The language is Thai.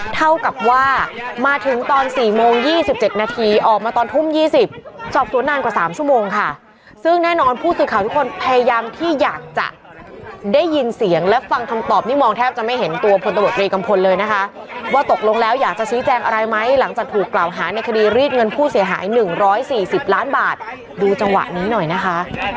เท่ากับว่ามาถึงตอน๔โมง๒๗นาทีออกมาตอนทุ่ม๒๐สอบสวนนานกว่า๓ชั่วโมงค่ะซึ่งแน่นอนผู้สื่อข่าวทุกคนพยายามที่อยากจะได้ยินเสียงและฟังคำตอบนี่มองแทบจะไม่เห็นตัวพลตำรวจรีกัมพลเลยนะคะว่าตกลงแล้วอยากจะชี้แจงอะไรไหมหลังจากถูกกล่าวหาในคดีรีดเงินผู้เสียหาย๑๔๐ล้านบาทดูจังหวะนี้หน่อยนะคะ